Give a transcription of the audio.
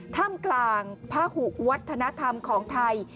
ถ้ำกลางพระหุวัฒนธรรมของไทย